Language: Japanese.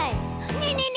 ねえねえね